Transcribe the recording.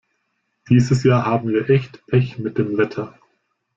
Dieses Jahr haben wir echt Pech mit dem Wetter.